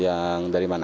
yang dari mana